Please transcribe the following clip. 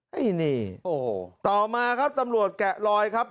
ไอ้นี่ต่อมาครับตำรวจแกะลอยครับ